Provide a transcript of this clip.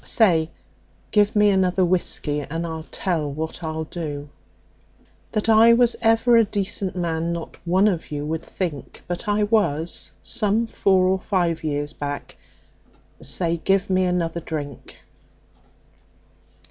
Say! Give me another whiskey, and I'll tell what I'll do That I was ever a decent man not one of you would think; But I was, some four or five years back. Say, give me another drink.